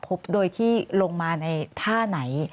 พบโดยที่ลงมาในท่าไหน